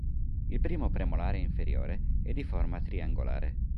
Il primo premolare inferiore è di forma triangolare.